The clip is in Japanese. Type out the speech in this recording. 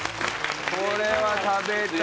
これは食べたい。